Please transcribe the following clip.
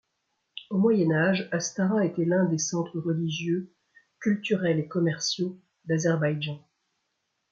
Au Moyen Âge, Astara était l'un des centres religieux, culturels et commerciaux d'Azerbaïdjan.